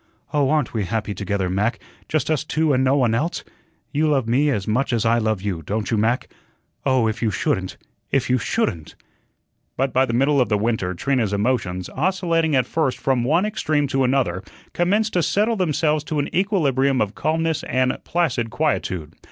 Oh, aren't we happy together, Mac, just us two and no one else? You love me as much as I love you, don't you, Mac? Oh, if you shouldn't if you SHOULDN'T." But by the middle of the winter Trina's emotions, oscillating at first from one extreme to another, commenced to settle themselves to an equilibrium of calmness and placid quietude.